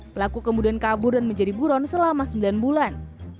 pelaku kemudian kabur dan menjadi buron selama sembilan bulan